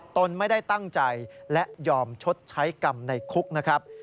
ตนไม่ได้ตั้งใจและยอมชดใช้กรรมในคุกนะครับ